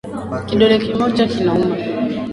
Kidole kimoja kinauma.